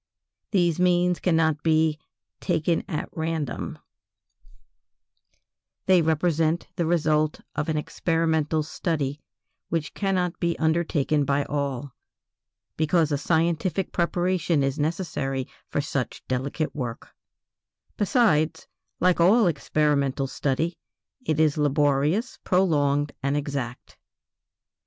These means cannot be "taken at random"; they represent the result of an experimental study which cannot be undertaken by all, because a scientific preparation is necessary for such delicate work; besides, like all experimental study, it is laborious, prolonged, and exact.